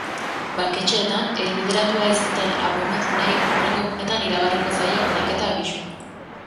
Banketxeetan helbideratua ez duten abonodunei hurrengo egunetan iragarriko zaie ordainketa abisua.